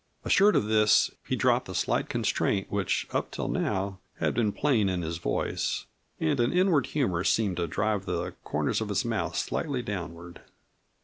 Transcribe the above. Assured of this, he dropped the slight constraint which up till now had been plain in his voice, and an inward humor seemed to draw the corners of his mouth slightly downward.